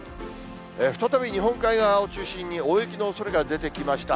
再び日本海側を中心に大雪のおそれが出てきました。